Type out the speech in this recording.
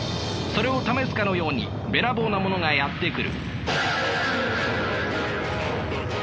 それを試すかのようにべらぼうなものがやって来る。